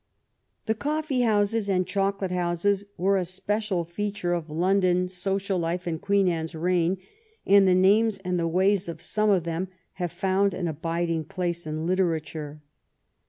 The coffee houses and chocolate houses were a spe cial feature of London social life in Queen Anne's reign, and the names and the ways of some of them have found an abiding place in literature.